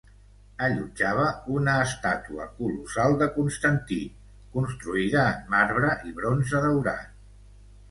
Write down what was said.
Allotjava una estàtua colossal de Constantí construïda en marbre i bronze daurat.